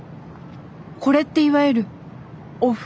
これっていわゆるオフ会。